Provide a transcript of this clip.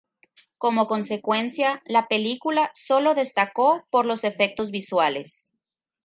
Como consecuencia, la película solo destacó por los efectos visuales.